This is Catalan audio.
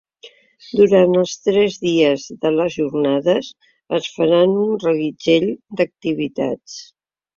Durant els tres dies de les jornades es faran un reguitzell d’activitats.